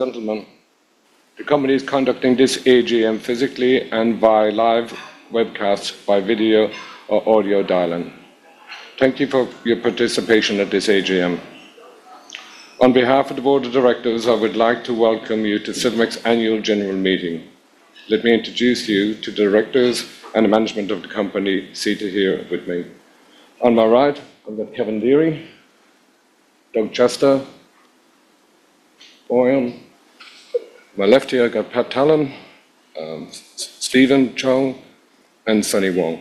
Gentlemen, the company is conducting this AGM physically and via live webcast, by video or audio dialing. Thank you for your participation at this AGM. On behalf of the Board of Directors, I would like to welcome you to Civmec's annual general meeting. Let me introduce you to directors and the management of the company. Seated here with me on my right, I've got Kevin Deery, Doug Chester. my left here I got Pat Tallon, Stephen Chong and Sunny Wong.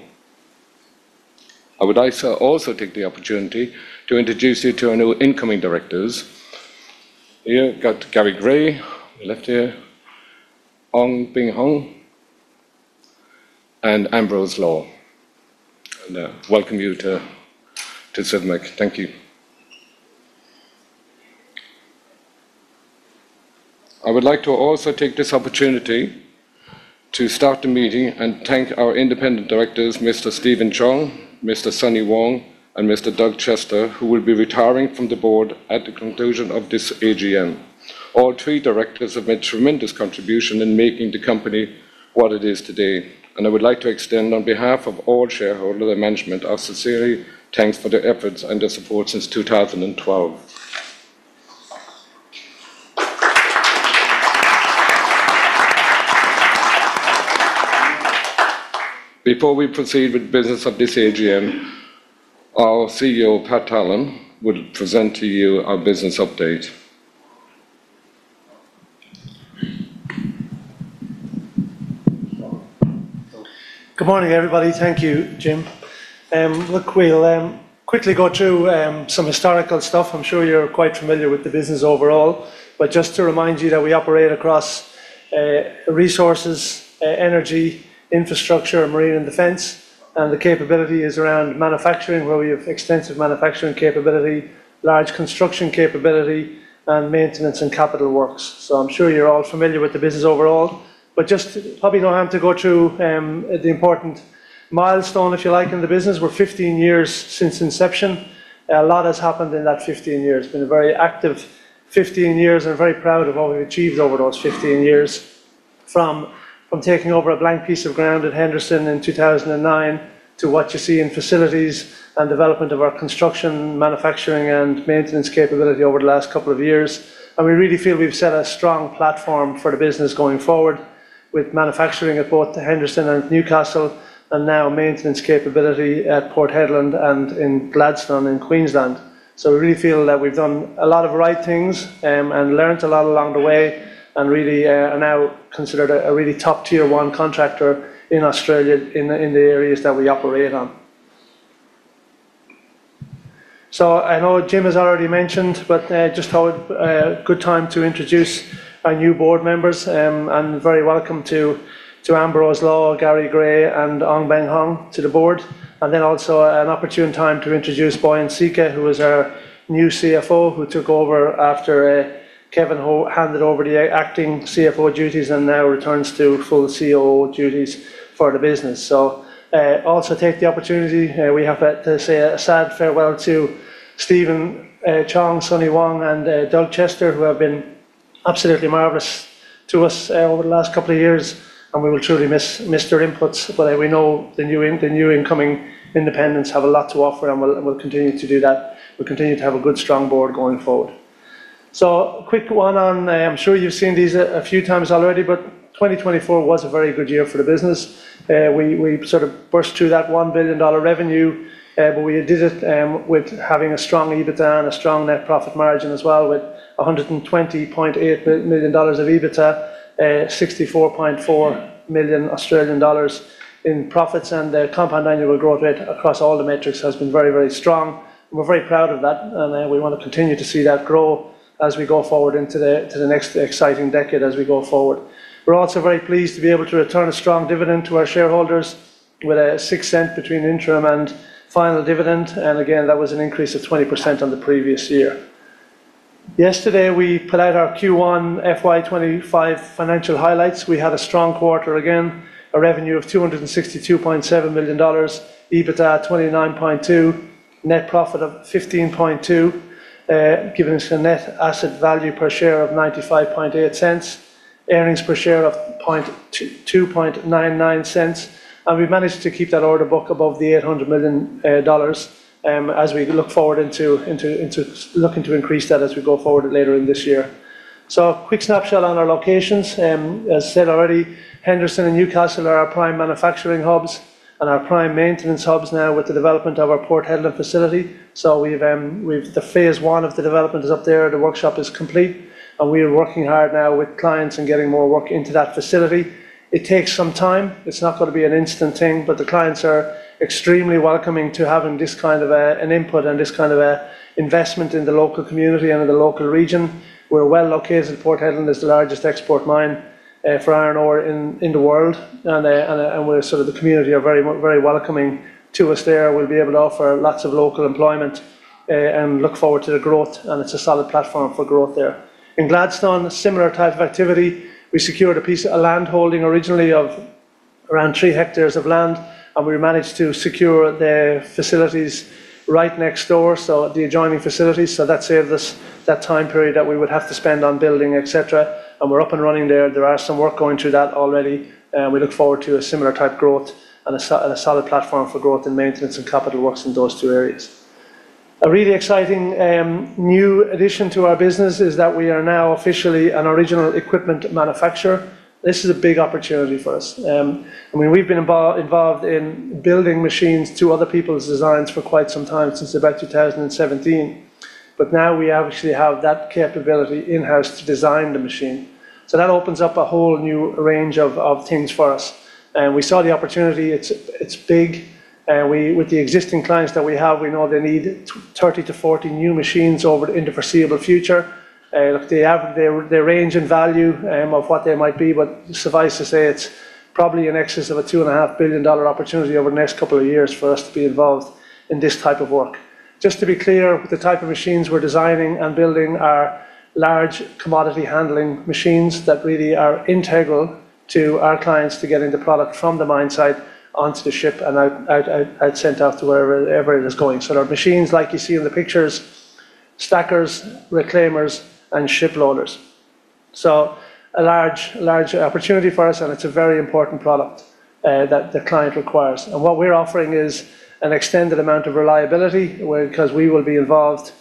I would like to also take the opportunity to introduce you to our new incoming directors here. Got Gary Gray, to my left here. Ong Beng Hong and Ambrose Law. Welcome you to Civmec. Thank you. I would like to also take this opportunity to start the meeting and thank our independent directors, Mr. Stephen Chong, Mr. Sunny Wong and Mr. Doug Chester, who will be retiring from the Board at the conclusion of this AGM. All three directors have made tremendous contribution in making the company what it is today. And I would like to extend on behalf of all shareholders and management, our sincere thanks for their efforts and their support since 2012. Before we proceed with business of this AGM, our CEO Pat Tallon will present to you our business update. Good morning everybody. Thank you, Jim. Look, we'll quickly go through some historical stuff. I'm sure you're quite familiar with the business overall, but just to remind you that we operate across Resources, Energy, Infrastructure, Marine and Defence. And the capability is around manufacturing, where we have extensive manufacturing capability, large construction capability and maintenance and capital works. So I'm sure you're all familiar with the business overall, but just probably no time to go through the important milestone, if you like, in the business. We're 15 years since inception. A lot has happened in that 15 years. Been a very active 15 years and very proud of what we've achieved over those 15 years, from taking over a blank piece of ground at Henderson in 2009 to what you see in facilities and development of our construction, manufacturing and maintenance capability over the last couple of years. We really feel we've set a strong platform for the business going forward with manufacturing at both Henderson and Newcastle and now maintenance capability at Port Hedland and in Gladstone in Queensland. So we really feel that we've done a lot of right things and learned a lot along the way and really are now considered a really top tier one contractor in Australia in the areas that we operate on. So I know Jim has already mentioned, but just thought good time to introduce our new board members. And very welcome to Ambrose Law, Gary Gray and Ong Beng Hong to the Board. And then also an opportune time to introduce Bojan Ceka, who is our new CFO, who took over after Kevin Ho handed over the acting CFO duties and now returns to full CCO duties for the business. So also take the opportunity. We have to say a sad farewell to Stephen Chong, Sunny Wong and Doug Chester, who have been absolutely marvelous to us over the last couple of years and we will truly miss their inputs, but we know the new incoming independents have a lot to offer and we'll continue to do that. We'll continue to have a good strong Board going forward, so quick one on. I'm sure you've seen these a few times already, but 2024 was a very good year for the business. We sort of burst through that 1 billion dollar revenue, but we did it with having a strong EBITDA and a strong net profit margin as well, with 120.8 million dollars of EBITDA, 64.4 million Australian dollars in profits, and the compound annual growth rate across all the metrics has been very, very strong. We're very proud of that and we want to continue to see that growing as we go forward into the next exciting decade. As we go forward, we're also very pleased to be able to return a strong dividend to our shareholders with a 6 cent between interim and final dividend. And again, that was an increase of 20% on the previous year. Yesterday we put out our Q1 FY25 financial highlights. We had a strong quarter again. A revenue of 262.7 million dollars, EBITDA 29.2, net profit of 15.2, giving us a net asset value per share of 0.958, earnings per share of 0.0299. And we've managed to keep that order book above the 800 million dollars as we look forward into looking to increase that as we go forward later in this year. So quick snapshot on our locations. As said already, Henderson and Newcastle are our prime manufacturing hubs and our prime maintenance hubs now with the development of our Port Hedland facility. So phase one of the development is up there. The workshop is complete and we are working hard now with clients and getting more work into that facility. It takes some time. It's not going to be an instant thing, but the clients are extremely welcoming to have this kind of an input and this kind of investment in the local community and in the local region. We're well located at Port Hedland, which is the largest export port for iron ore in the world. And we're sort of, the community are very, very welcoming to us there. We'll be able to offer lots of local employment and look forward to the growth. It's a solid platform for growth there in Gladstone, similar type of activity. We secured a piece of land holding originally of around three hectares of land and we managed to secure their facilities right next door so the adjoining facilities. So that saved us that time period that we would have to spend on building, etc. We're up and running there. There are some work going through that already. We look forward to a similar type growth and a solid platform for growth in maintenance and capital works in those two areas. A really exciting new addition to our business is that we are now officially an original equipment manufacturer. This is a big opportunity for us. We've been involved in building machines to other people's designs for quite some time, since about 2017, but now we actually have that capability in house to design the machine. So that opens up a whole new range of things for us. We saw the opportunity, it's big with the existing clients that we have, we know they need 30-40 new machines over in the foreseeable future. They range in value of what they might be, but suffice to say it's probably in excess of 2.5 billion dollar opportunity over the next couple of years for us to be involved in this type of work. Just to be clear, the type of machines we're designing and building are large commodity handling machines that really are integral to our clients to getting the product from the mine site onto the ship and sent off to wherever it is going. So our machines, like you see in the pictures, stackers, reclaimers and ship loaders. So a large, large opportunity for us. It's a very important product that the client requires. What we're offering is an extended amount of reliability because we will be involved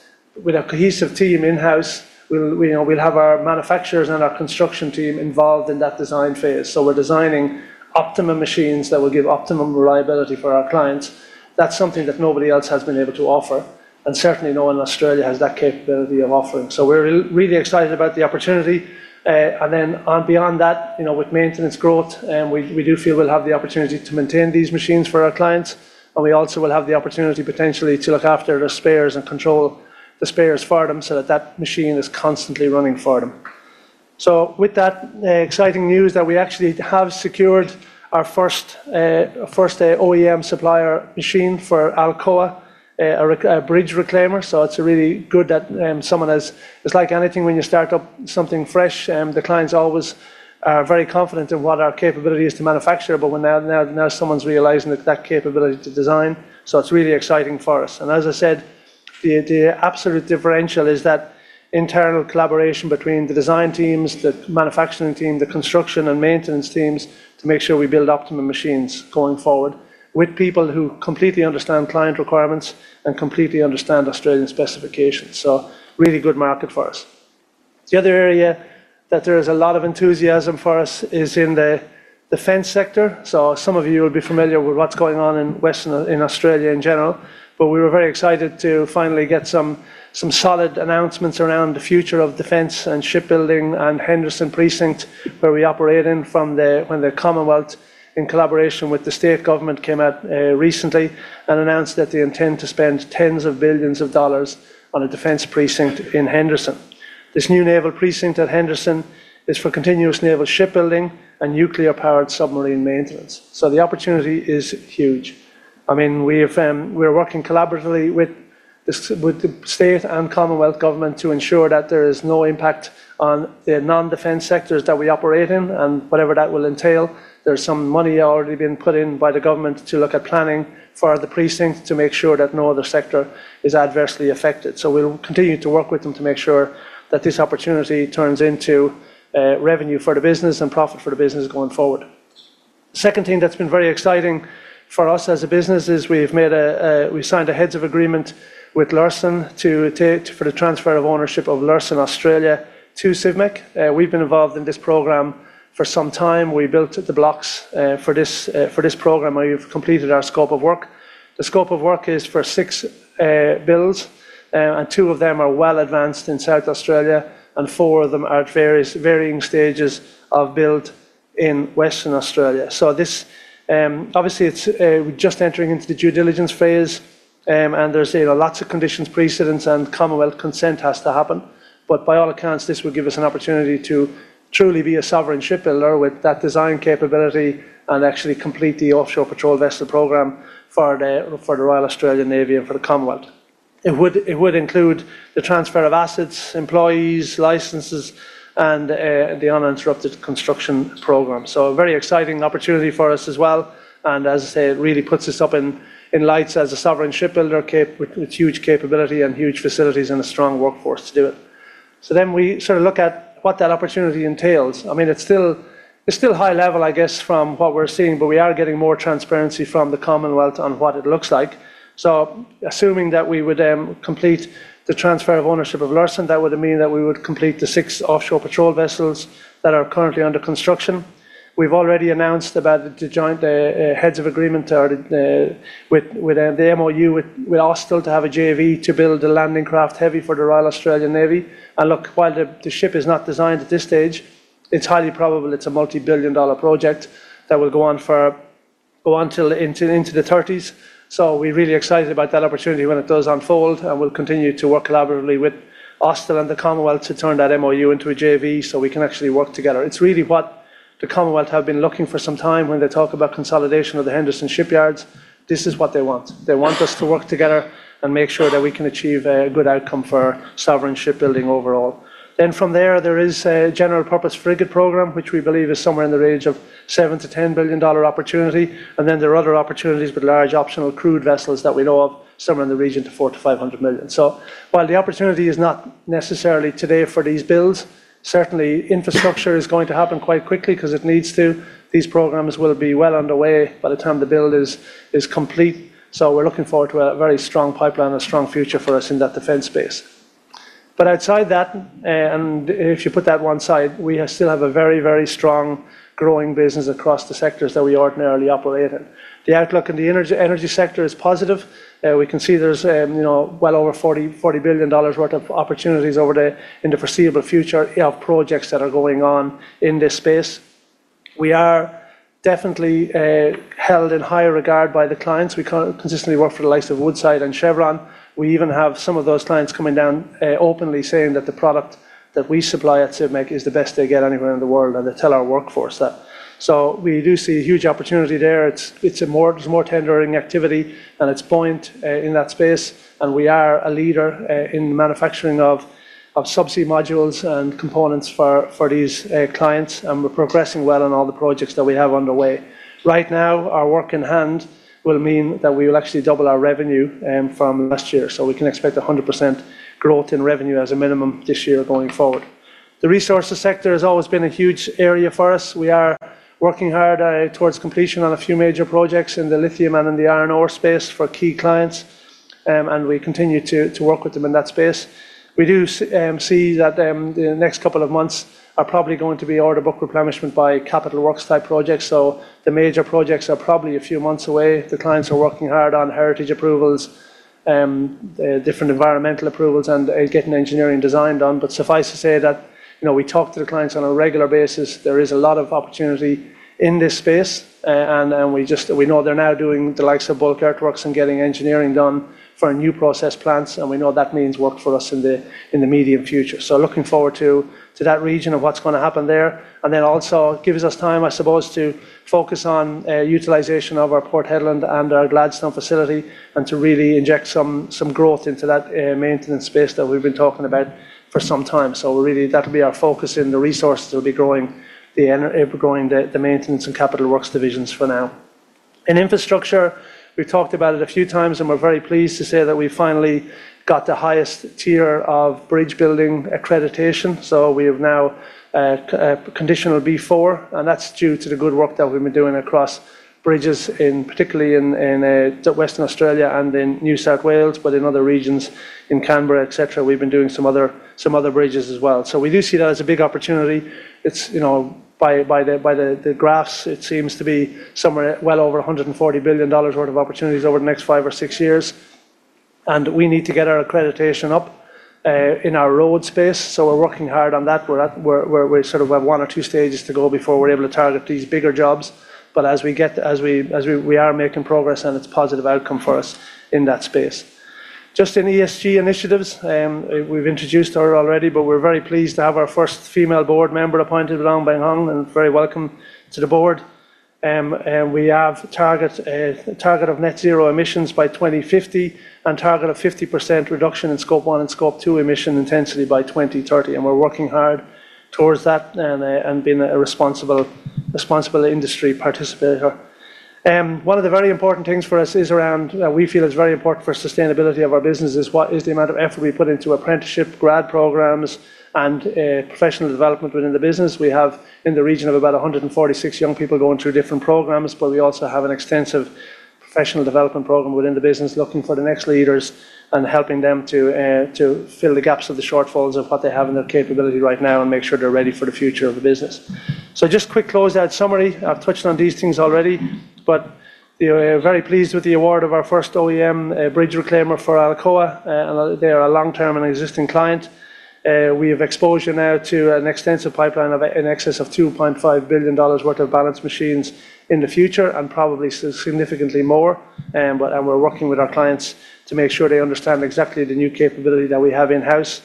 with a cohesive team in house. We'll have our manufacturers and our construction team involved in that design phase. We're designing optimum machines that will give optimum reliability for our clients. That's something that nobody else has been able to offer and certainly no one in Australia has that capability of offering. We're really excited about the opportunity. Beyond that, with maintenance growth, we do feel we'll have the opportunity to maintain these machines for our clients and we also will have the opportunity potentially to look after the spares and control the spares for them so that that machine is constantly running for them. So with that exciting news that we actually have secured our first OEM supplier machine for Alcoa, a bridge reclaimer. So it's really good that someone has just like anything when you start up something fresh, the clients always are very confident in what our capability is to manufacture. But now someone's realizing that capability to design. So it's really exciting for us. And as I said, the absolute differential is that internal collaboration between the design teams, the manufacturing team, the construction and maintenance teams to make sure we build optimum machines going forward with people who completely understand client requirements and completely understand Australian specifications. So really good market for us. The other area that there is a lot of enthusiasm for us is in the defence sector. So some of you will be familiar with what's going on in Western Australia in general. But we were very excited to finally get some solid announcements around the future of defence and shipbuilding and Henderson precinct where we operate in from the when the Commonwealth in collaboration with the state government came out recently and announced that they intend to spend tens of billions of dollars on a defence precinct in Henderson. This new naval precinct at Henderson is for continuous naval shipbuilding and nuclear powered submarine maintenance. So the opportunity is huge. I mean we are working collaboratively with the state and Commonwealth government to ensure that there is no impact on the non-defence sectors that we operate in and whatever that will entail. There's some money already been put in by the government to look at planning for the precinct to make sure that no other sector is adversely affected. So we will continue to work with them to make sure that this opportunity turns into revenue for the business and profit for the business going forward. Second thing that's been very exciting for us as a business is we signed a heads of agreement with Luerssen to take for the transfer of ownership of Luerssen Australia to Civmec. We've been involved in this program for some time. We built the blocks for this program. We've completed our scope of work. The scope of work is for six builds and two of them are well advanced in South Australia and four of them are at varying stages of build in Western Australia. So this obviously we're just entering into the due diligence phase and there's lots of conditions precedent and Commonwealth consent has to happen. But by all accounts, this would give us an opportunity to truly be a sovereign shipbuilder with that design capability and actually complete the Offshore Patrol Vessel program for the Royal Australian Navy and for the Commonwealth. It would include the transfer of assets, employees, licenses, and the uninterrupted construction program. So a very exciting opportunity for us as well. And as I say, it really puts us up in lights as a sovereign shipbuilder with huge capability and huge facilities and a strong workforce to do it. So then we sort of look at what that opportunity entails. I mean, it's still high level I guess from what we're seeing, but we are getting more transparency from the Commonwealth on what it looks like. Assuming that we would complete the transfer of ownership of Luerssen, that would mean that we would complete the six Offshore Patrol Vessels that are currently under construction. We've already announced about the joint heads of agreement with the MOU, with Austal to have a JV to build a Landing Craft Heavy for the Royal Australian Navy. And look, while the ship is not designed at this stage, it's highly probable it's a multi-billion-dollar project that will go on for until into the 30s. We're really excited about that opportunity when it does unfold and we'll continue to work collaboratively with Austal and the Commonwealth to turn that MOU into a JV so we can actually work together. It's really what the Commonwealth have been looking for some time. When they talk about consolidation of the Henderson shipyards, this is what they want. They want us to work together and make sure that we can achieve a good outcome for Sovereign Shipbuilding overall. Then from there is a General Purpose Frigate program which we believe is somewhere in the range of 7-10 billion-dollar opportunity. And then there are other opportunities with large optionally crewed vessels that we know of somewhere in the region of 400-500 million. So while the opportunity is not necessarily today for these builds, certainly infrastructure is going to happen quite quickly because it needs to. These programs will be well underway by the time the build is complete. So we're looking forward to a very strong pipeline, a strong future for us in that defence space. But outside that, and if you put that one side, we still have a very, very strong growing business across the sectors that we ordinarily operate in. The outlook in the energy sector is positive. We can see there's well over 40 billion dollars worth of opportunities in the foreseeable future of projects that are going on in this space. We are definitely held in higher regard by the clients we consistently work for, the likes of Woodside and Chevron. We even have some of those clients coming down openly saying that the product that we supply at Civmec is the best they get anywhere in the world and they tell our workforce that. So we do see a huge opportunity there. It's more tendering activity and it's buoyant in that space. And we are a leader in manufacturing of subsea modules and components for these clients. And we're progressing well on all the projects that we have underway right now. Our work in hand will mean that we will actually double our revenue from last year. So we can expect 100% growth in revenue as a minimum this year going forward. The resources sector has always been a huge area for us. We are working hard towards completion on a few major projects in the lithium and in the iron ore space for key clients and we continue to work with them in that space. We do see that the next couple of months are probably going to be order book replenishment by capital works type projects. So the major projects are probably a few months away. The clients are working hard on heritage approvals, different environmental approvals and getting engineering design done. But suffice to say that we talk to the clients on a regular basis. There is a lot of opportunity in this space and we know they're now doing the likes of bulk earthworks and getting engineering done for new process plants. We know that means work for us in the medium future. Looking forward to that region of what's going to happen there and then also gives us time, I suppose, to focus on utilization of our Port Hedland and our Gladstone facility and to really inject some growth into that maintenance space that we've been talking about for some time. Really, that'll be our focus in the resources that will be growing the maintenance and capital works divisions for now in infrastructure. We've talked about it a few times and we're very pleased to say that we finally got the highest tier of bridge building accreditation. So we have now Category B4. That's due to the good work that we've been doing across bridges, particularly in Western Australia and in New South Wales. In other regions in Canberra etc. We've been doing some other bridges as well. We do see that as a big opportunity. By the graphs it seems to be somewhere well over 140 billion dollars worth of opportunities over the next five or six years. We need to get our accreditation up in our road space. We're working hard on that. We sort of have one or two stages to go before we're able to target these bigger jobs. As we are making progress and it's a positive outcome for us in that space. Just in ESG initiatives, we've introduced her already, but we're very pleased to have our first female Board member appointed and very welcome to the Board. We have targets of net zero emissions by 2050 and a 50% reduction in Scope 1 and Scope 2 emissions intensity by 2030. And we're working hard towards that. And being a responsible industry participator. One of the very important things for us is around. We feel it's very important for sustainability of our business is what is the amount of effort we put into apprenticeship grad programs and professional development within the business. We have in the region of about 146 young people going through different programs. But we also have an extensive professional development program within the business looking for the next leaders and helping them to fill the gaps of the shortfalls of what they have in their capability right now and make sure they're ready for the future of the business. So just quick closeout summary. I've touched on these things already but very pleased with the award of our first OEM bridge reclaimer for Alcoa. They are a long term and existing client. We have exposure now to an extensive pipeline in excess of 2.5 billion dollars worth of bulk machines in the future and probably significantly more. And we're working with our clients to make sure they understand exactly the new capability that we have in house.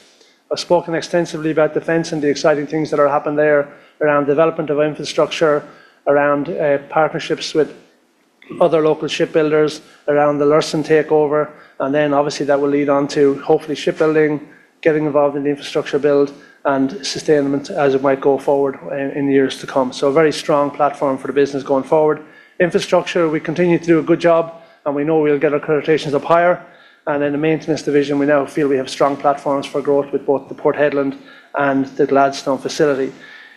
I've spoken extensively about defence and the exciting things that are happening there around development of infrastructure, around partnerships with other local shipbuilders, around the Luerssen takeover. And then obviously that will lead on to hopefully shipbuilding getting involved in the infrastructure build and sustainment as it might go forward in the years to come. So a very strong platform for the business going forward. Infrastructure. We continue to do a good job and we know we'll get accreditations up higher. And in the maintenance division we now feel we have strong platforms for growth with both the Port Hedland and the Gladstone facility.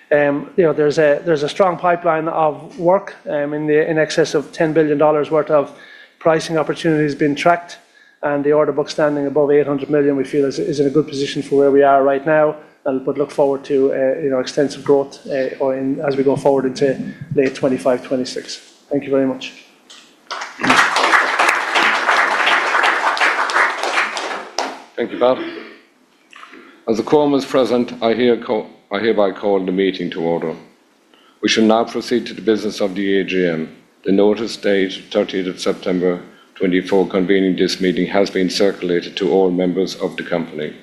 There's a strong pipeline of work in excess of 10 billion dollars worth of pricing opportunities being tracked and the order book standing above 800 million. We feel is in a good position for where we are right now, but look forward to extensive growth as we go forward into late 2025. Thank you very much. Thank you, Pat. As the quorum is present, I hereby call the meeting to order. We shall now proceed to the business of the AGM. The notice dated 30-9-2024 convening this meeting has been circulated to all members of the company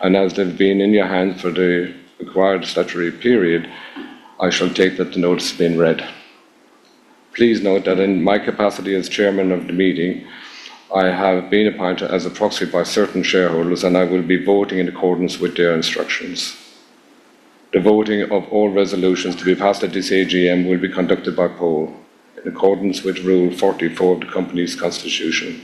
and as they've been in your hands for the required statutory period, I shall take that the notice has been read. Please note that in my capacity as Chairman of the meeting, I have been appointed as a proxy by certain shareholders and I will be voting in accordance with their instructions. The voting of all resolutions to be passed at this AGM will be conducted by poll in accordance with Rule 44 of the Company's Constitution.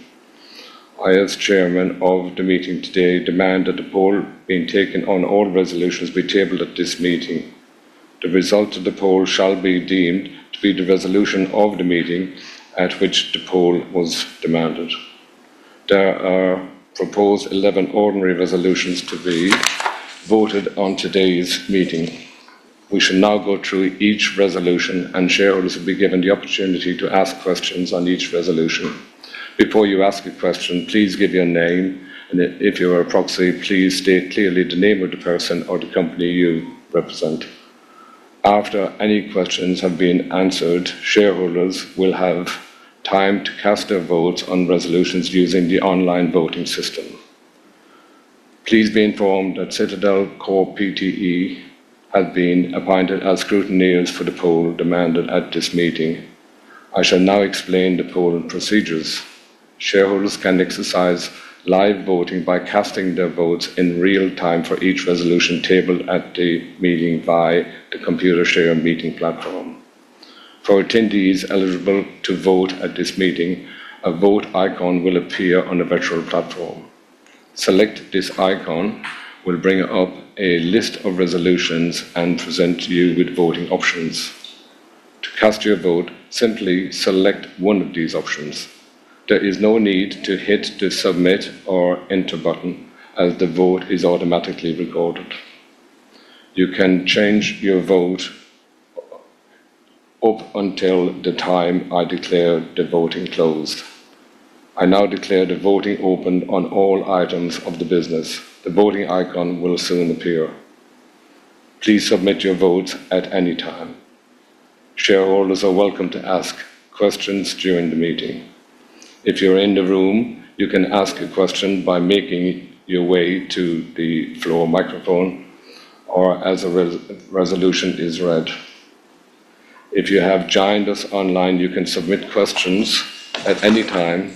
I as Chairman of the meeting today demand that the poll being taken on all resolutions be tabled at this meeting. The result of the poll shall be deemed to be the resolution of the meeting at which the poll was demanded. There are proposed 11 ordinary resolutions to be voted on today's meeting. We shall now go through each resolution and shareholders will be given the opportunity to ask questions on each resolution. Before you ask a question, please give your name and if you are a proxy, please state clearly the name of the person or the company you represent. After any questions have been answered, shareholders will have time to cast their votes on resolutions using the online voting system. Please be informed that CitadelCorp has been appointed as scrutineers for the poll demanded at this meeting. I shall now explain the polling procedures. Shareholders can exercise live voting by casting their votes in real time for each resolution tabled at the meeting via the Computershare meeting platform. For attendees eligible to vote at this meeting, a vote icon will appear on the virtual platform. Select this icon will bring up a list of resolutions and present you with voting options. To cast your vote, simply select one of these options. There is no need to hit the Submit or Enter button as the vote is automatically recorded. You can change your vote up until the time I declare the voting closed. I now declare the voting open on all items of the business. The voting icon will soon appear. Please submit your votes at any time. Shareholders are welcome to ask questions during the meeting. If you're in the room, you can ask a question by making your way to the floor microphone or as a resolution is read. If you have joined us online, you can submit questions at any time.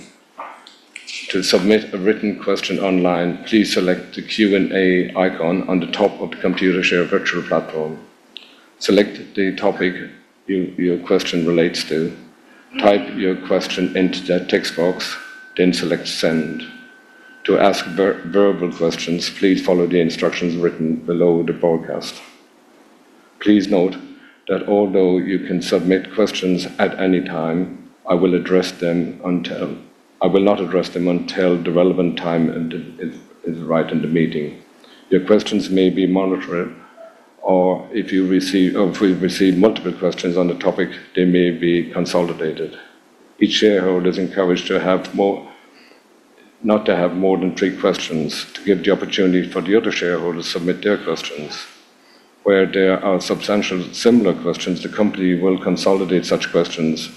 To submit a written question online, please select the Q and A icon on the top of the Computershare virtual platform. Select the topic your question relates to. Type your question into that text box, then select Send. To ask verbal questions, please follow the instructions written below the broadcast. Please note that although you can submit questions at any time, I will not address them until the relevant time is right in the meeting. Your questions may be moderated or if we receive multiple questions on the topic, they may be consolidated. Each shareholder is encouraged to have more, not to have more than three questions to give the opportunity for the other shareholders to submit their questions. Where there are substantially similar questions, the company will consolidate such questions.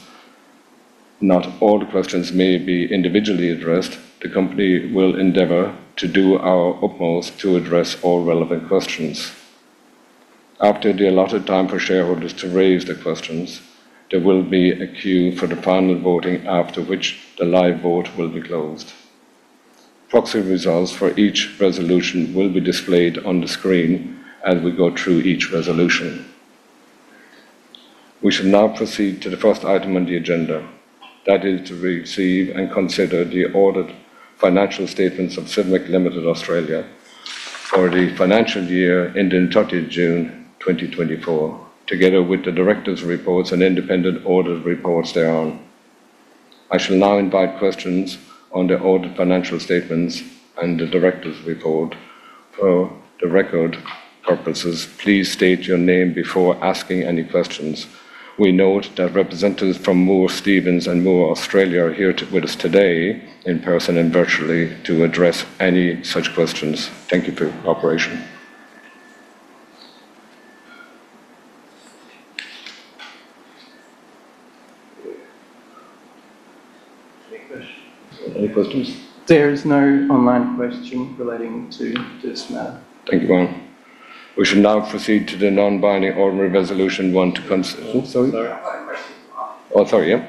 Not all the questions may be individually addressed. The company will endeavor to do our utmost to address all relevant questions. After the allotted time for shareholders to raise the questions, there will be a queue for the final voting, after which the live vote will be closed. Proxy results for each resolution will be displayed on the screen. As we go through each resolution, we shall now proceed to the first item on the agenda, that is, to receive and consider the audited financial statements of Civmec Limited for the financial year ending 30 June 2024, together with the Directors' Report and independent audit reports thereon. I shall now invite questions on the audited financial statements and the Directors' Report for the record purposes. Please state your name before asking any questions. We note that representatives from Moore Stephens and Moore Australia are here with us today in person and virtually to address any such questions. Thank you for your cooperation. Any questions? There is no online question relating to this matter. Thank you. One. We should now proceed to the non-binding ordinary resolution one to consider. Oh, sorry, yeah,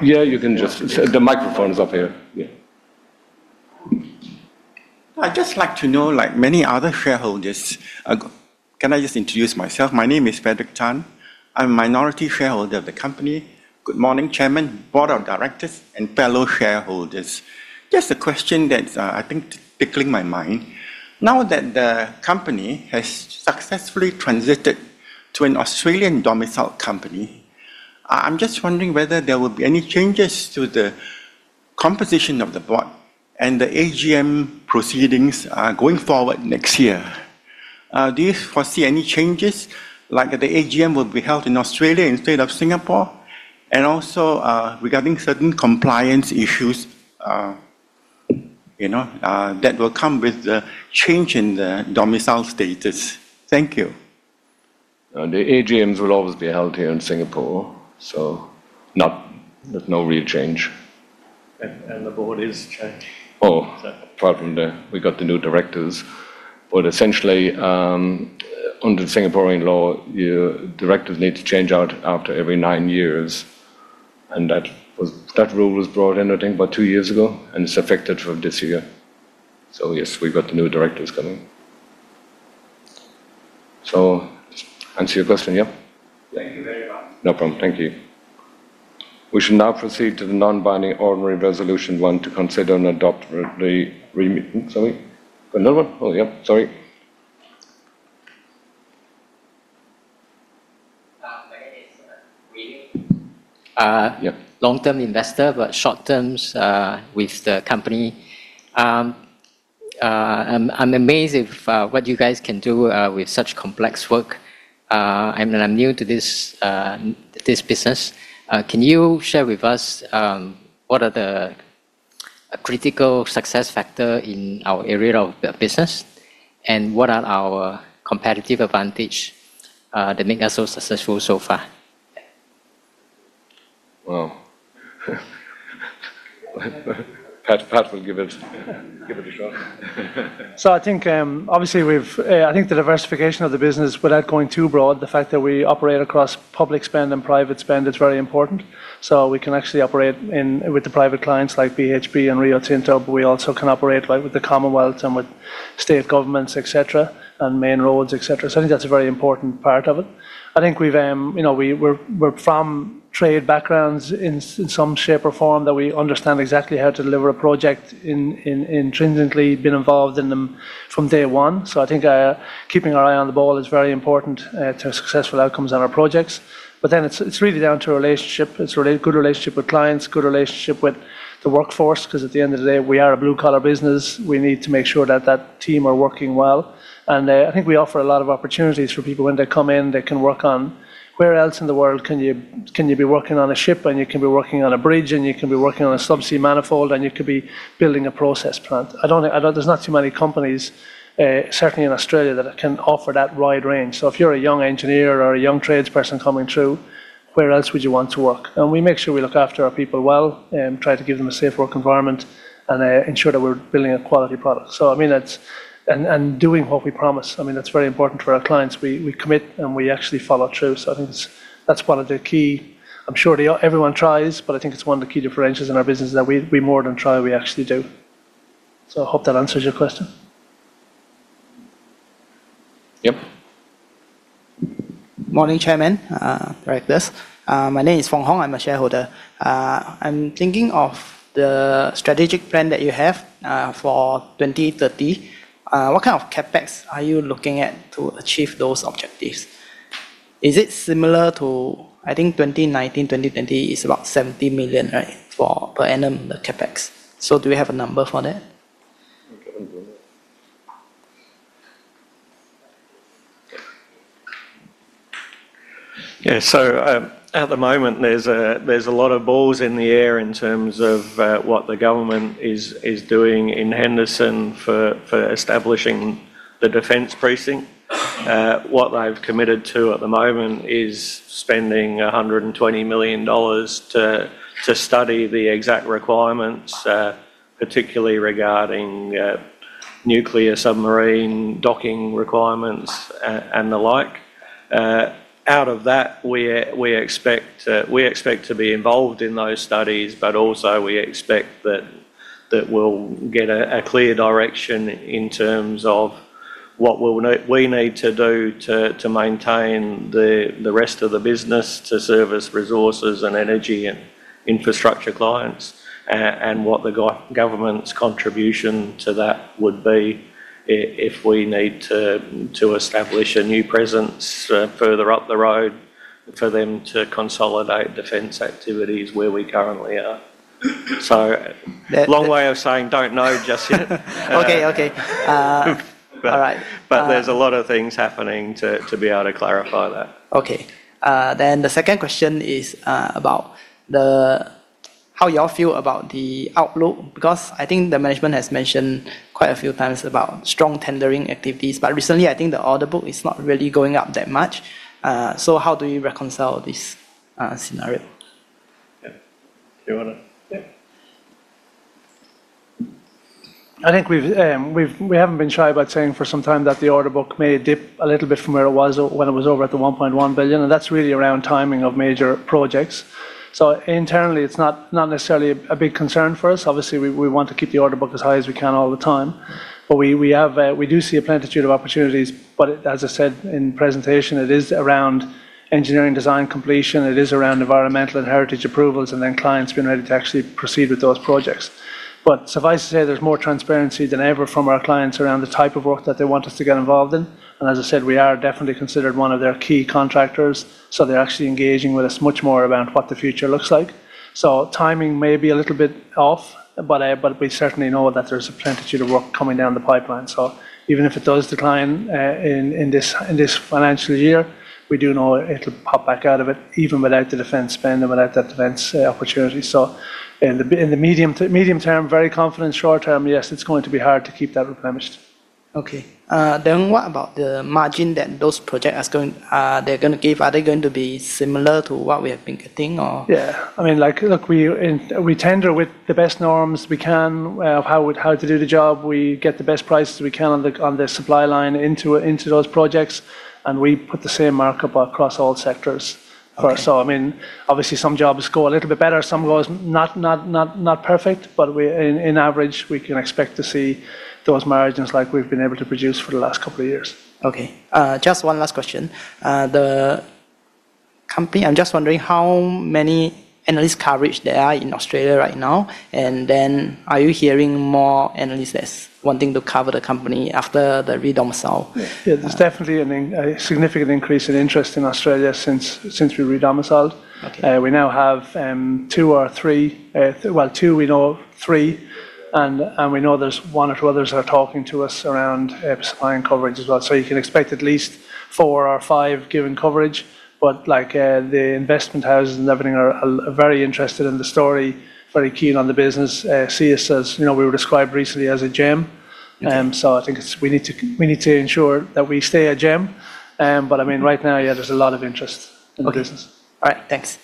yeah, you can just. The microphone is up here. I'd just like to know, like many other shareholders, can I just introduce myself? My name is Frederick Tan. I'm minority shareholder of the company. Good morning, Chairman, Board of directors and fellow shareholders. Just a question that I think tickling my mind. Now that the company has successfully transitioned to an Australian domiciled company, I'm just wondering whether there will be any changes to the composition of the Board and the AGM proceedings going forward next year. Do you foresee any changes like the AGM will be held in Australia instead of Singapore and also regarding certain compliance issues, you know, that will come with the change in the domicile status. Thank you. The AGMs will always be held here in Singapore. So there's no real change and the Board is changing. We got the new directors, but essentially under Singaporean law, directors need to change out after every nine years. That rule was brought in, I think about two years ago and it's affected for this year. So yes, we've got the new directors coming. So answer your question. Yep. Thank you very much. No problem. Thank you. We should now proceed to the non-binding ordinary resolution one to consider and adopt the Remuneration Report. Another one. Oh, yeah, sorry, my name is Fong. Long-term investor, but short term with the company. I'm amazed at what you guys can do with such complex work. I'm new to this business. Can you share with us what are the critical success factor in our area of business? What are our competitive advantages that make us so successful so far? Wow. Pat. Pat will give it, give it a shot. So I think obviously we've, I think the diversification of the business without going too broad. The fact that we operate across public spend and private spend is very important. So we can actually operate in with the private clients like BHP and Rio Tinto, but we also can operate with the Commonwealth and with state governments, etc. And main roads, etc. So I think that's a very important part of it. I think we've, you know, we're from trade backgrounds in some shape or form that we understand exactly how to deliver a project intrinsically, been involved in them from day one. So I think keeping our eye on the ball is very important to successful outcomes on our projects. But then it's really down to relationship. It's good relationship with clients, good relationship with. Because at the end of the day we are a blue collar business. We need to make sure that that team are working well, and I think we offer a lot of opportunities for people. When they come in, they can work on where else in the world can you be working on a ship, and you can be working on a bridge, and you can be working on a subsea manifold, and you could be building a process plant. There's not too many companies, certainly in Australia, that can offer that wide range. So if you're a young engineer or a young trades person coming through, where else would you want to work? We make sure we look after our people well, try to give them a safe work environment, and ensure that we're building a quality product. So I mean that's, and doing what we promise. I mean that's very important for our clients. We commit and we actually follow through. So I think that's one of the key. I'm sure everyone tries, but I think it's one of the key differentials in our business that we more than try, we actually do. So I hope that answers your question. Yep. Morning, Chairman, Directors. My name is Fong Hong. I'm a shareholder. I'm thinking of the strategic plan that you have for 2030. What kind of CapEx are you looking at to achieve those objectives? Is it similar to, I think 2019? 2020 is about 70 million dollars, right. For per annum, the CapEx. So do we have a number for that? So at the moment there's a lot of balls in the air in terms of what the government is doing in Henderson for establishing the defence precinct. What they've committed to at the moment is spending 120 million dollars to study the exact requirements, particularly regarding nuclear submarine docking requirements and the like. Out of that, we expect to be involved in those studies, but also we expect that we'll get a clear direction in terms of what we need to do to maintain the rest of the business to service resources and energy and infrastructure clients and what the government's contribution to that would be if we need to establish a new presence further up the road for them to consolidate defence activities where we currently are. Long way of saying don't know just yet. Okay, okay, all right. But there's a lot of things happening to be able to clarify that. Okay, then the second question is about how you all feel about the outlook, because I think the management has mentioned quite a few times about strong tendering activities, but recently I think the order book is not really going up that much. So how do you reconcile this scenario? I think we haven't been shy about saying for some time that the order book may dip a little bit from where it was when it was over at the 1.1 billion, and that's really around timing of major projects, so internally it's not necessarily a big concern for us. Obviously we want to keep the order book as high as we can all the time, but we do see a plenitude of opportunities, but as I said in presentation, it is around engineering design completion, it is around environmental and heritage approvals and then clients being ready to actually proceed with those projects, but suffice to say, there's more transparency than ever from our clients around the type of work that they want us to get involved in, and as I said, we are definitely considered one of their key contractors. So they're actually engaging with us much more about what the future looks like. So timing may be a little bit off, but we certainly know that there's a plenitude of work coming down the pipeline. So even if it does decline in this financial year, we do know it'll pop back out of it even without the defence spend and without that defence opportunity. So in the medium to medium term, very confident. Short term, yes, it's going to be hard to keep that replenished. Okay, then what about the margin that those projects they're going to give? Are they going to be similar to what we have been getting or? Yeah, I mean, like, look, we tender with the best norms we can of how to do the job. We get the best prices we can on the supply line into those projects. And we put the same markup across all sectors. So I mean obviously some jobs go a little bit better, some goes not perfect. But on average we can expect to see those margins like we've been able to produce for the last couple of years. Okay, just one last question. The company. I'm just wondering how many analyst coverage there are in Australia right now. And then are you hearing more analysts wanting to cover the company after the redomicile? There's definitely a significant increase in interest in Australia since we redomiciled. We now have two or three, well, two, we know three and we know there's one or two others are talking to us around supply and coverage as well, so you can expect at least four or five given coverage, but like the investment houses and everything, are very interested in the story, very keen on the business. See us as you know, we were described recently as a gem, so I think we need to ensure that we stay a gem, but I mean right now, yeah, there's a lot of interest in. All right, thanks.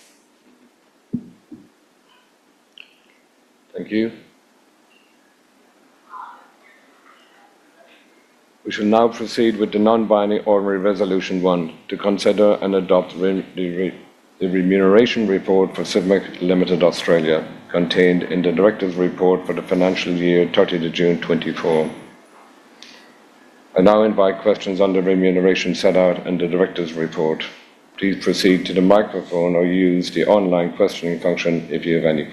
Thank you. We shall now proceed with the non-binding ordinary resolution to consider and adopt the Remuneration Report for Civmec Limited contained in the Directors' report for the financial year the 30th of June 2024. I now invite questions on the remuneration set out and the Directors' report. Please proceed to the microphone or use the online questioning function if you have any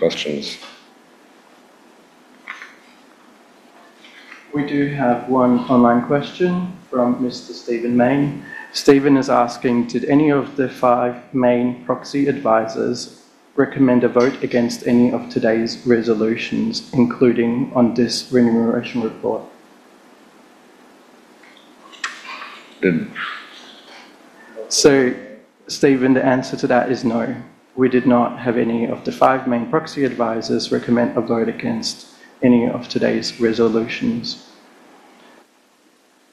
questions. We do have one online question from Mr. Stephen Mayne. Stephen is asking: Did any of the five main proxy advisors recommend a vote against any of today's resolutions, including on this Remuneration Report? What? So Stephen, the answer to that is no. We did not have any of the five main proxy advisors recommend a vote against any of today's resolutions.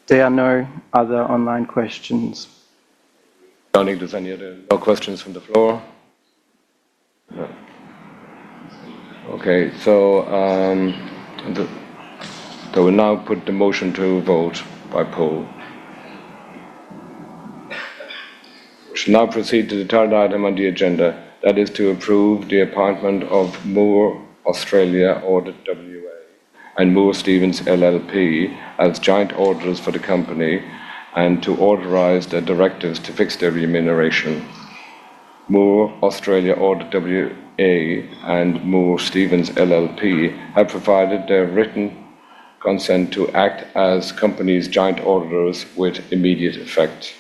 There are no other online questions. No questions from the floor. Okay, so we now put the motion to vote by poll. Shall now proceed to the third item on the agenda. That is to approve the appointment of Moore Australia Audit WA and Moore Stephens LLP as joint auditors for the company and to authorize the directors to fix their remuneration. Moore Australia Audit WA and Moore Stephens LLP have provided their written consent to act as company's joint auditors with immediate effect.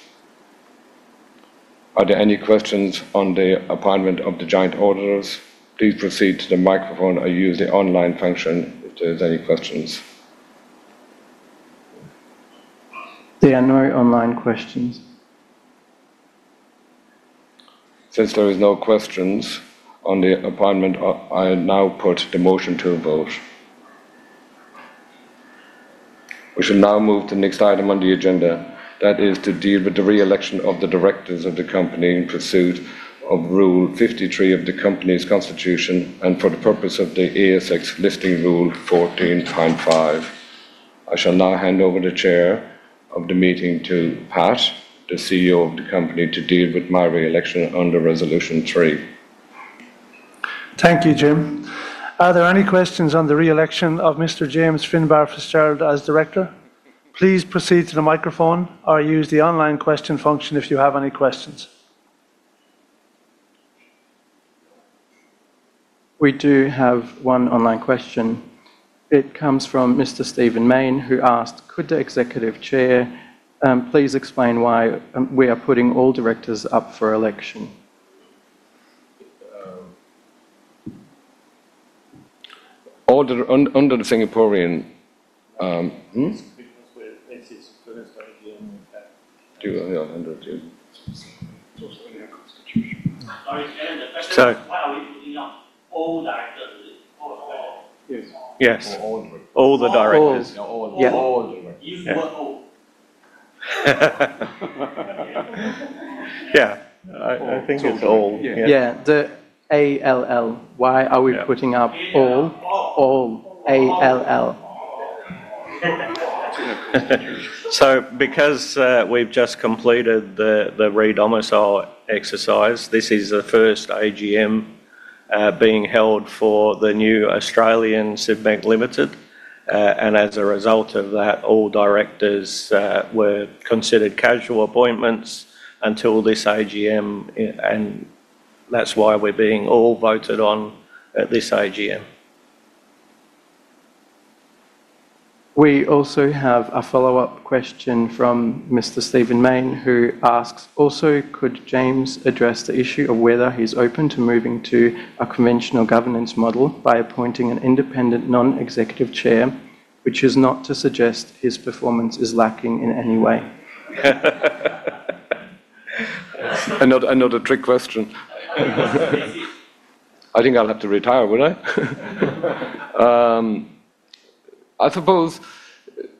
Are there any questions on the appointment of the joint auditors? Please proceed to the microphone or use the online function if there's any questions. There are no online questions. Since there is no questions on the appointment, I now put the motion to vote. We shall now move to the next item on the agenda that is to deal with the re-election of the directors of the company in pursuit of Rule 53 of the Company's Constitution and for the purpose of the ASX Listing Rule 14. I shall now hand over the chair of the meeting to Pat, the CEO of the company to deal with my re-election under Resolution 3. Thank you Jim. Are there any questions on the re-election of Mr. James Finbarr Fitzgerald as director? Please proceed to the microphone or use the online question function if you have any questions. We do have one online question. It comes from Mr. Stephen Mayne who asked could the Executive Chair please explain why we are putting all directors up for election? Under the Singaporean. Why are we putting up all directors? Yes, all the directors? Yeah, I think it's all. Yeah, the all. Why are we putting up all? All A L L. So because we've just completed the redomicile exercise, this is the first AGM being held for the new Australian Civmec Limited and as a result of that all directors were considered casual appointments until this AGM, and that's why we're being all voted on at this AGM. We also have a follow-up question from Mr. Stephen Mayne who asks, also, could James address the issue of whether he's open to moving to a conventional governance model by appointing an independent non-executive chair, which is not to suggest his performance is lacking in any way. Another trick question. I think I'll have to retire, will I? I suppose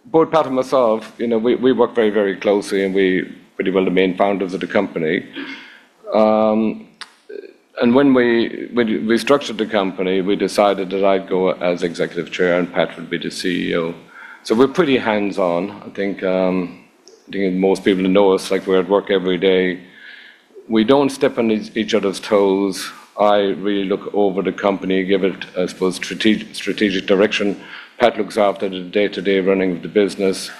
both Pat and myself, you know we work very, very closely and we pretty well the main founders of the company and when we restructured the company we decided that I'd go as Executive Chair and Pat would be the CEO. So we're pretty hands on. I think most people know us like we're at work every day. We don't step on each other's toes. I really look over the company, give it I suppose strategic direction. Pat looks after the day to day running of the business.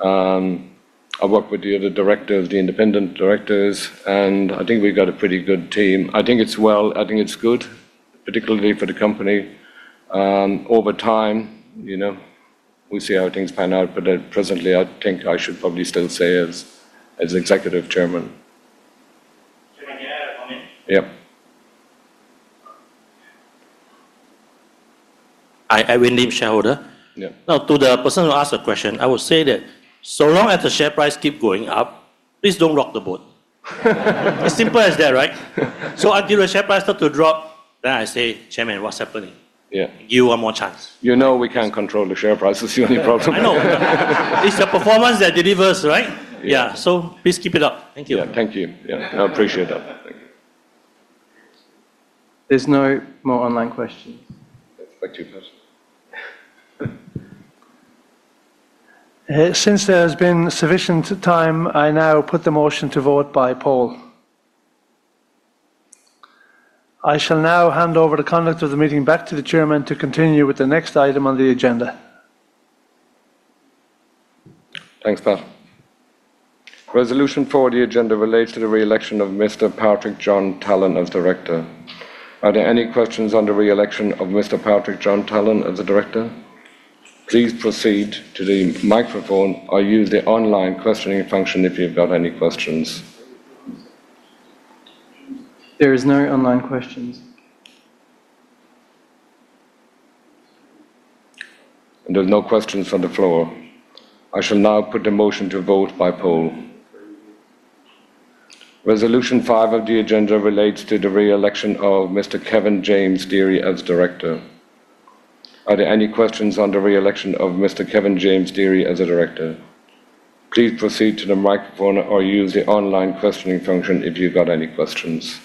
I work with the other directors, the independent directors and I think we've got a pretty good team. Well, I think it's good particularly for the company. Over time you know, we see how things pan out. But presently I think I should probably still say as Executive Chairman. Yep. I will name shareholder. Now to the person who asked the question, I would say that so long. As the share price keep going up. Please don't rock the boat. As simple as that. Right. So until the share price start to. Drop, then I say, Chairman, what's happening? Give you one more chance. You know, we can't control the share prices. The only problem I know, it's the performance that delivers. Right. Yeah. So please keep it up. Thank you. Thank you. I appreciate that. There's no more online questions. Since there has been sufficient time, I now put the motion to vote by poll. I shall now hand over the conduct of the meeting back to the Chairman to continue with the next item on the agenda. Thanks, Pat. Resolution 4, the agenda relates to the re-election of Mr. Patrick John Tallon as Director. Are there any questions on the re-election of Mr. Patrick John Tallon as the Director? Please proceed to the microphone or use the online questioning function if you've got any questions. There are no online questions. There's no questions on the floor. I shall now put the motion to vote by poll. Resolution 5 of the Agenda relates to the re-election of Mr. Kevin James Deery as Director. Are there any questions on the re-election of Mr. Kevin James Deery as a Director? Please proceed to the microphone or use the online questioning function if you've got any questions.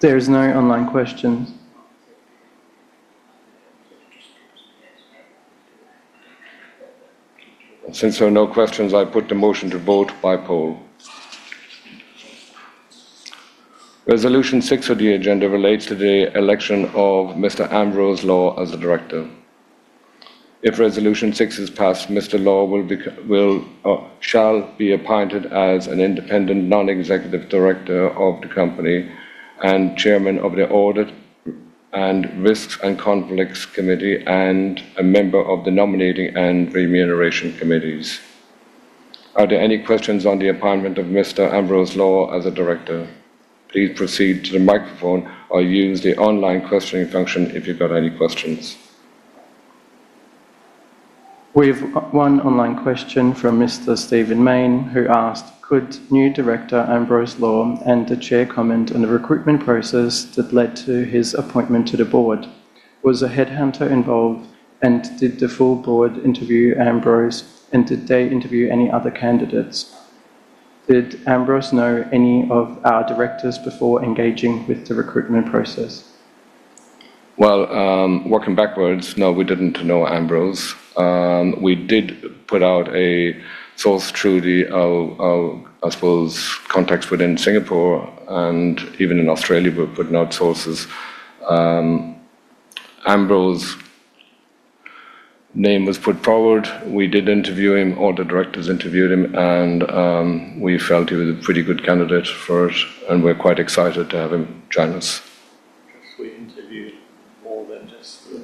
There is no online questions. Since there are no questions, I put the motion to vote by poll. Resolution 6 of the agenda relates to the election of Mr. Ambrose Law as a director. If Resolution 6 is passed, Mr. Law shall be appointed as an independent non executive Director of the company and Chairman of the Audit and Risks and Conflicts Committee and a member of the Nominating and Remuneration Committees. Are there any questions on the appointment of Mr. Ambrose Law as a Director? Please proceed to the microphone or use the online questioning function if you've got any questions. We have one online question from Mr. Stephen Mayne who asked, Could new Director Ambrose Law and the Chair comment on the recruitment process that led to his appointment to the Board? Was the headhunter involved and did the full board interview Ambrose and did they interview any other candidates? Did Ambrose know any of our directors before engaging with the recruitment process? Working backwards, no, we didn't know Ambrose. We did put out a search through the, I suppose, contacts within Singapore and even in Australia. We're putting out searches. Ambrose's name was put forward. We did interview him. All the directors interviewed him and we felt he was a pretty good candidate for it and we're quite excited to have him join us.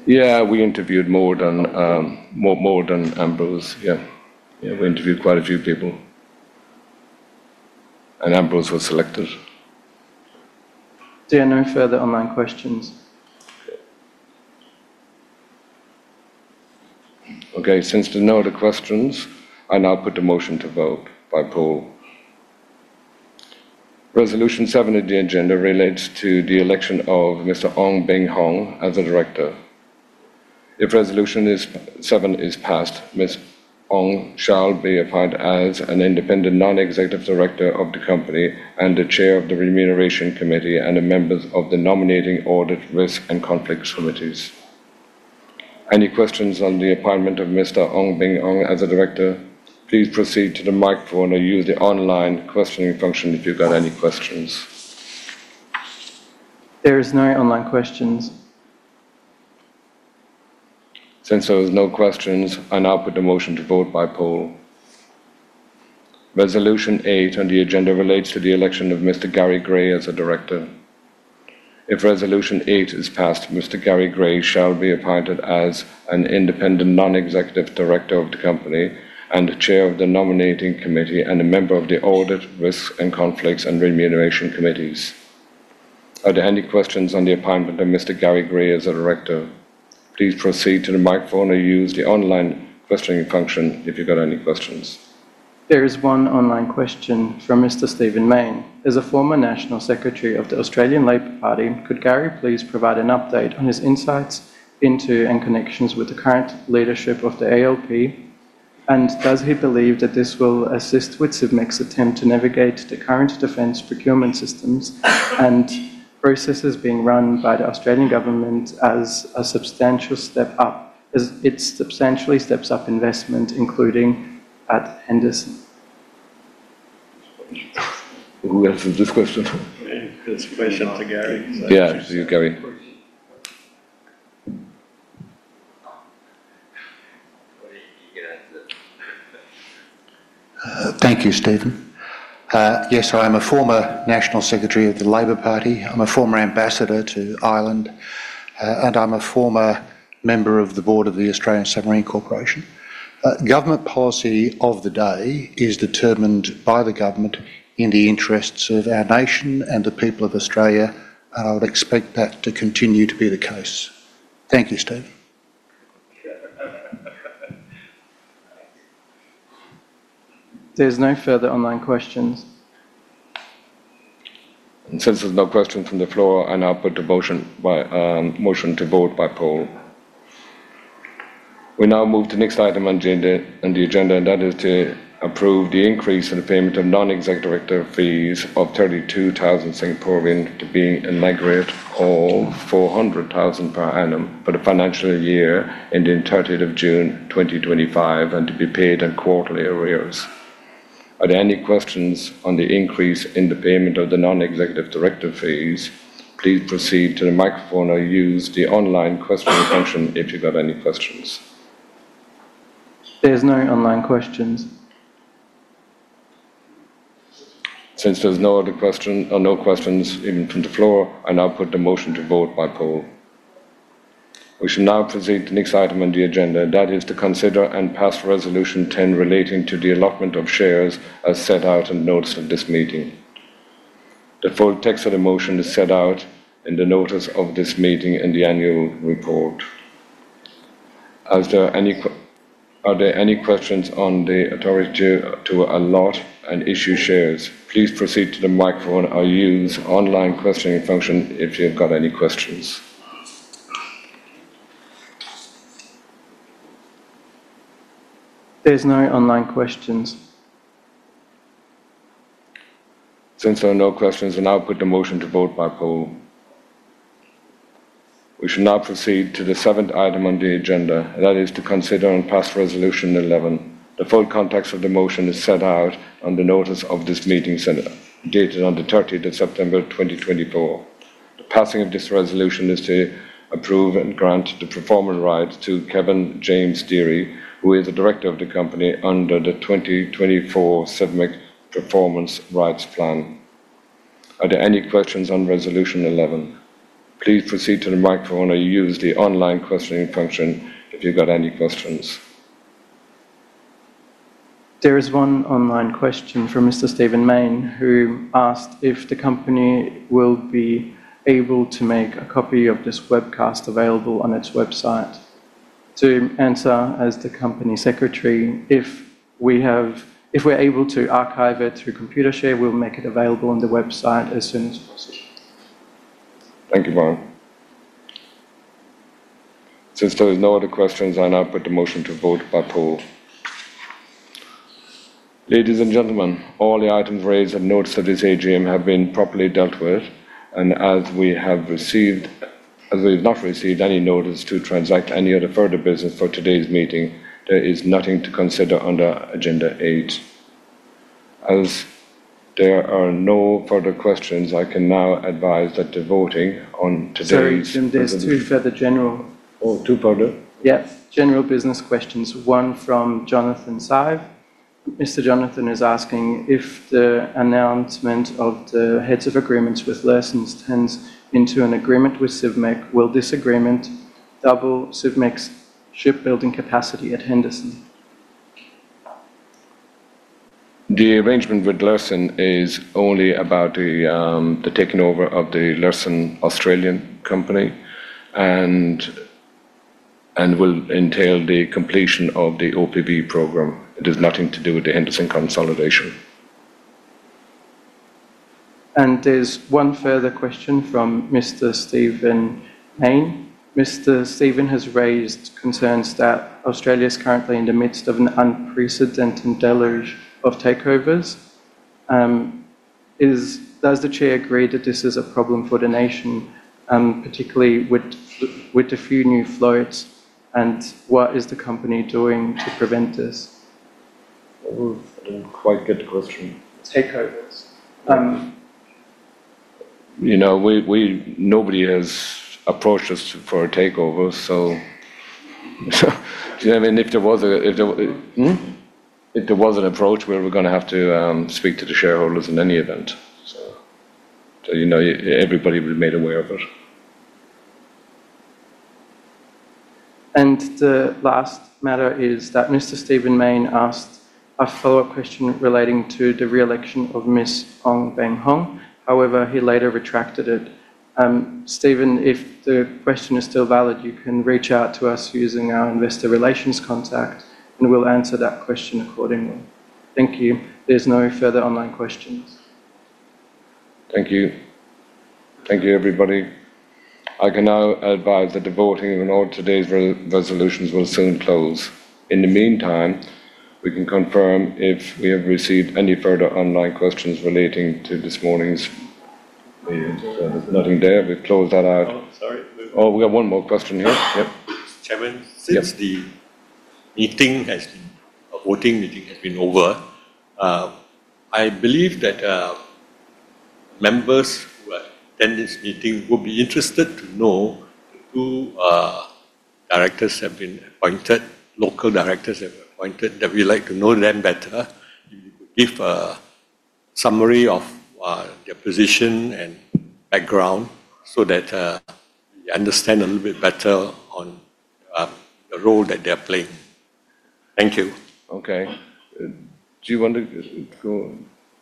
We interviewed more than just. Yeah, we interviewed quite a few people, and Ambrose was selected. There are no further online questions. Okay. Since there are no other questions, I now put the motion to vote by poll. Resolution 7 of the Agenda relates to the election of Mr. Ong Beng Hong as a director. If Resolution 7 is passed, Mr. Hong shall be appointed as an Independent Non-Executive Director of the company and the Chair of the Remuneration Committee and a member of the Nominating, Audit, Risk and Conflict Committees. Any questions on the appointment of Mr. Ong Beng Hong as a director? Please proceed to the microphone or use the online questioning function if you've got any questions. There are no online questions. Since there was no questions, I now put the motion to vote by poll. Resolution 8 on the agenda relates to the election of Mr. Gary Gray as a director. If Resolution 8 is passed, Mr. Gary Gray shall be appointed as an independent non-executive director of the company and chair of the Nominating Committee and a member of the Audit, Risk and Conflicts, and Remuneration Committees. Are there any questions on the appointment of Mr. Gary Gray as a director? Please proceed to the microphone or use the online questioning function if you've got any questions. There is one online question from Mr. Stephen Mayne. As a former National Secretary of the Australian Labor Party, could Gary please provide an update on his insights into and connections with the current leadership of the ALP and does he believe that this will assist with Civmec's attempt to navigate the current defence procurement systems and processes being run by the Australian government as a substantial step up as it substantially steps up investment including at Henderson? Who answers this question? It's a question to Gary. Yeah, Gary. Thank you, Stephen. Yes, I am a former National Secretary of the Labor Party. I'm a former ambassador to Ireland, and I'm a former member of the Board of the Australian Submarine Corporation. Government policy of the day is determined by the government in the interests of our nation and the people of Australia, and I would expect that to continue to be the case. Thank you, Steve. There's no further online questions. Since there's no question from the floor, I now put the motion to vote by poll. We now move to the next item agenda and the agenda, and that is to approve the increase in the payment of non-executive director fees of 32,000 Singapore dollars to be in AUD or 400,000 per annum for the financial year ending 30th of June 2025 and to be paid in quarterly arrears. Are there any questions on the increase in the payment of the non-executive director fees? Please proceed to the microphone or use the online question function if you've got any questions. Questions. There's no online questions. Since there's no other question or no questions even from the floor, I now put the motion to vote by poll. We shall now proceed to the next item on the agenda, that is, to consider and pass Resolution 10 relating to the allotment of shares as set out in the notice of this meeting. The full text of the motion is set out in the notice of this meeting in the annual report. Are there any questions on the authority to allot and issue shares? Please proceed to the microphone or use online questioning function if you've got any questions. There's no online questions. Since there are no questions and I'll put the motion to vote by poll. We shall now proceed to the seventh item on the agenda, that is, to consider and pass Resolution 11. The full context of the motion is set out on the notice of this meeting circular dated on 30 September 2024. The passing of this resolution is to approve and grant the performance rights to Kevin Deery who is the director of the company under the 2024 Civmec Performance Rights Plan. Are there any questions on Resolution 11? Please proceed to the microphone or use the online questioning function if you've got any questions. There is one online question from Mr. Stephen Mayne, who asked if the company will be able to make a copy of this webcast available on its website. To answer, as the company secretary: If we're able to archive it through Computershare, we'll make it available on the website as soon as possible. Thank you, Maureen. Since there is no other question, I now put the motion to vote by poll. Ladies and gentlemen, all the items raised and noticed to this AGM have been properly dealt with and as we've not received any notice to transact any other further business for today's meeting there is nothing to consider under Agenda 8 as there are no further questions, I can now advise that the voting on today there's two further. Now two further yeah, general business questions. One from Jonathan Sae. Mr. Jonathan is asking if the announcement of the heads of agreements with Luerssen turns into an agreement with Civmec, will the agreement double Civmec's shipbuilding capacity at Henderson? The arrangement with Luerssen is only about the taking over of the Luerssen Australian company and will entail the completion of the OPV program. It has nothing to do with the Henderson consolidation. There's one further question from Mr. Stephen Mayne. Mr. Stephen has raised concerns that Australia is currently in the midst of an unprecedented deluge of takeovers. Does the Chair agree that this is a problem for the nation, particularly with a few new floats? And what is the company doing to prevent this? I don't quite get the question. Takeovers. You know, nobody has approached us for a takeover. So I mean, if there was an approach where we're going to have to speak to the shareholders in any event. So you know, everybody was made aware of it. The last matter is that Mr. Stephen Mayne asked a follow-up question relating to the re-election of Ms. Ong Beng Hong. However, he later retracted it. Stephen, if the question is still valid, you can reach out to us using our investor relations contact, and we'll answer that question accordingly. Thank you. There's no further online questions. Thank you. Thank you, everybody. I can now advise that the voting on all today's resolutions will soon close. In the meantime, we can confirm if we have received any further online questions relating to this morning's. Nothing there. We close that out. Sorry. Oh, we have one more question here. Chairman. Since the voting meeting has been over. I believe that members who attend this meeting will be interested to know who directors have been appointed. Local directors have been appointed that we would like to know them better, give a summary of their position and background so that they understand a little bit better on the role that they are playing. Thank you. Okay, do you want to go?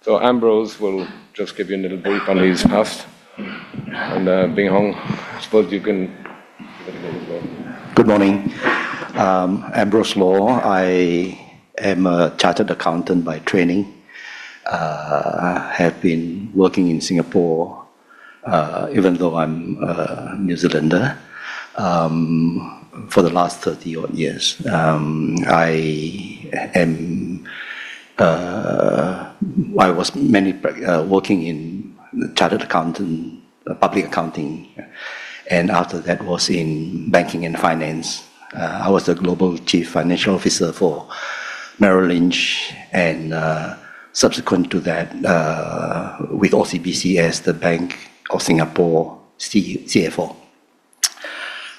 So Ambrose will just give you a little brief on his past and Beng Hong, I suppose you can. Good morning. Ambrose Law. I am a chartered accountant by training. Have been working in Singapore even though I'm a New Zealander. For the last 30 odd years. I was working in chartered accountant public accounting and after that was in banking and finance. I was the Global Chief Financial Officer for Merrill Lynch and subsequent to that with OCBC as the Bank of Singapore CFO.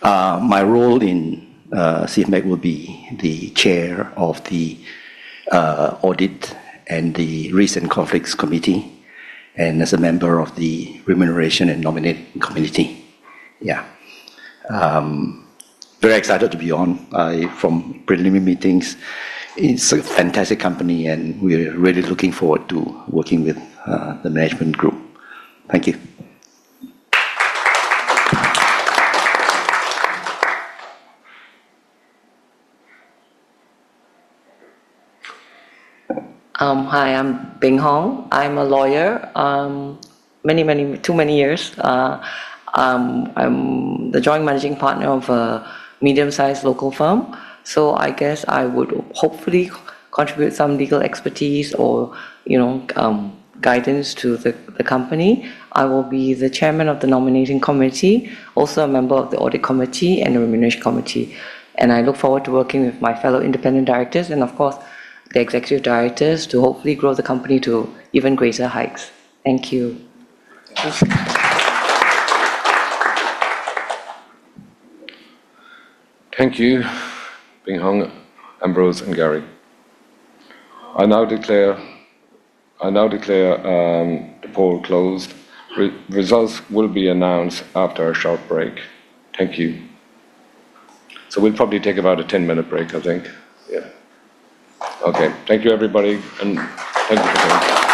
My role in Civmec will be the Chair of the Audit and Risk Committee and as a member of the Remuneration and Nominating Committee. Yeah, very excited to be on board from preliminary meetings. It's a fantastic company and we're really looking forward to working with the management group. Thank you. Hi, I'm Beng Hong. I'm a lawyer many, many too many years. I'm the joint managing partner of a medium sized local firm. So I guess I would hopefully contribute some legal expertise or you know, guidance to the company. I will be the chairman of the Nominating Committee. Also a member of the Audit Committee and the Remuneration Committee. And I look forward to working with my fellow independent directors and of course the executive directors to hopefully grow the company to even greater heights. Thank you. Thank you. Beng Hong, Ambrose, and Gary. I now declare the poll closed. Results will be announced after a short break. Thank you. So we'll probably take about a 10-minute break, I think. Yeah. Okay. Thank you, everybody, and thank you.